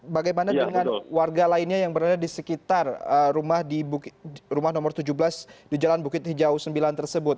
bagaimana dengan warga lainnya yang berada di sekitar rumah nomor tujuh belas di jalan bukit hijau sembilan tersebut